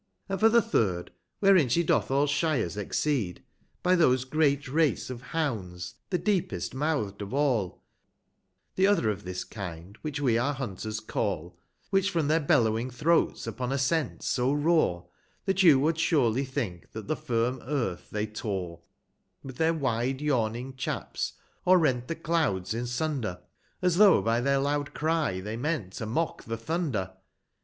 And for the third, wherein she doth all Shires exceed, Be those great race of hounds, | the deepest mouth'd of all The other of this kind, which we our Hunters call, 220 Which from their bellowing throats upon a scent so roar, That you would surely think, that the firm earth they tore With their wide yawning chaps, or rent the clouds in sunder, As though by their loud cry they meant to mock the thunder.